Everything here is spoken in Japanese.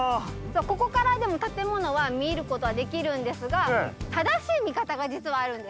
ここからでも建物は見ることはできるんですが正しい見方が実はあるんです。